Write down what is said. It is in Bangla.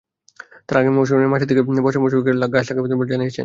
তাঁরা আগামী জুন মাসের দিকে বর্ষা মৌসুমে গাছ লাগিয়ে দেবেন বলে জানিয়েছেন।